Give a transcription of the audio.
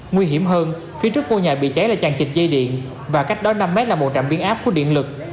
nguy hiểm hơn phía trước ngôi nhà bị cháy là chàng chịch dây điện và cách đó năm mét là một trạm biến áp của điện lực